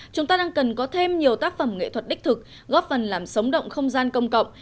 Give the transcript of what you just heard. chúng ta đang cần có thêm nhiều tác phẩm nghệ thuật đích thực góp phần làm sống động không gian công cộng